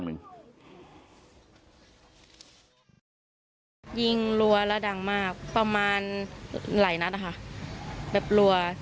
หลายนัตรนะคะแบบรัว